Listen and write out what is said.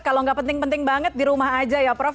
kalau nggak penting penting banget di rumah aja ya prof